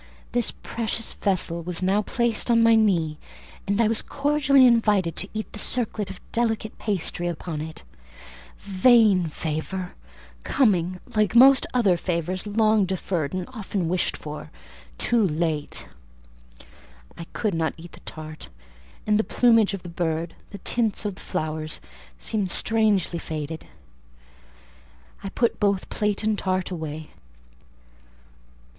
This precious vessel was now placed on my knee, and I was cordially invited to eat the circlet of delicate pastry upon it. Vain favour! coming, like most other favours long deferred and often wished for, too late! I could not eat the tart; and the plumage of the bird, the tints of the flowers, seemed strangely faded: I put both plate and tart away.